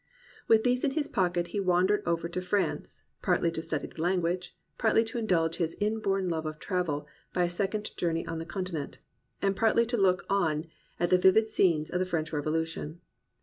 With these in his pocket he wandered over to France; partly to study the language; partly to indulge his inborn love of travel by a second journey on the Continent; and partly to look on at the vivid scenes of the French Revolution.